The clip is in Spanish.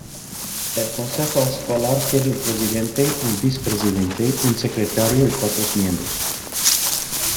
El consejo escolar tiene un presidente, un vicepresidente, un secretario, y cuatros miembros.